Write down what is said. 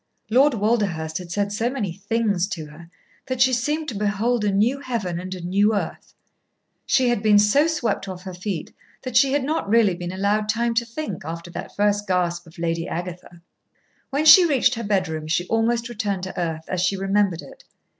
Lord Walderhurst had said so many "things" to her that she seemed to behold a new heaven and a new earth. She had been so swept off her feet that she had not really been allowed time to think, after that first gasp, of Lady Agatha. When she reached her bedroom she almost returned to earth as she remembered it.